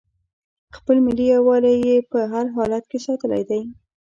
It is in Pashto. خپل ملي یووالی یې په هر حالت کې ساتلی دی.